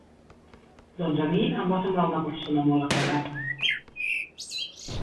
Doncs a mi em va semblar una persona molt agradable.